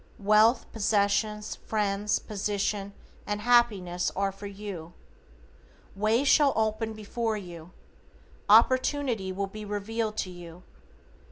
Wealth, possessions, friends, position and happiness are for you. Ways shall open before you. Opportunity will be revealed to you.